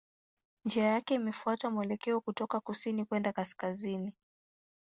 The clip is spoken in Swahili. Njia yake inafuata mwelekeo kutoka kusini kwenda kaskazini.